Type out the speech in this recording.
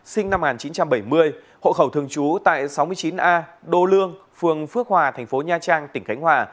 sinh năm một nghìn chín trăm bảy mươi hộ khẩu thường trú tại sáu mươi chín a đô lương phường phước hòa thành phố nha trang tỉnh khánh hòa